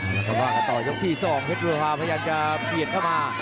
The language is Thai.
แล้วก็ล่างกันต่อจากที่สองเพชรพุระภาพยันตร์จะเปียดเข้ามา